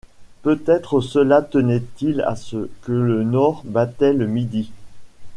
Peut-être cela tenait-il à ce que le nord battait le midi.